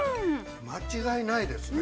◆間違いないですね。